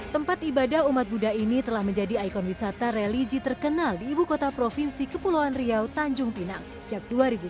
tempat ibadah umat buddha ini telah menjadi ikon wisata religi terkenal di ibu kota provinsi kepulauan riau tanjung pinang sejak dua ribu sembilan belas